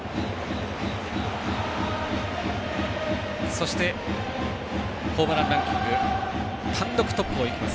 そして、ホームランランキング単独トップをいきます